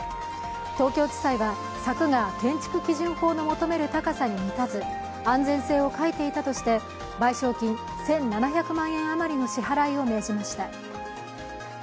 東京地裁は、柵が建築基準法の求める高さに満たず、安全性を欠いていたとして、賠償金１７００万円余りの支払いを命じました。